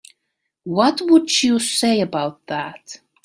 What would you say about that?